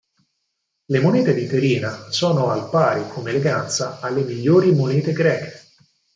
Le monete di Terina sono al pari, come eleganza, alle migliori monete greche.